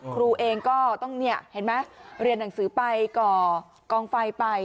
ครูเองก็ต้องเห็นไหมเรียนหนังสือไปก่อกองไฟไป